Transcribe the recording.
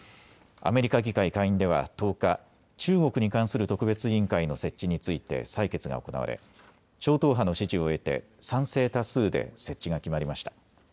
アメリカ議会下院では１０日、中国に関する特別委員会の設置について採決が行われ超党派の支持を得て賛成多数で設置が決まりました。